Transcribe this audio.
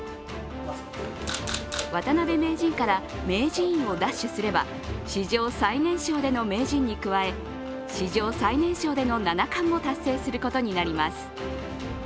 渡辺名人から名人位を奪取すれば史上最年少での名人に加え、史上最年少での七冠も達成することになります。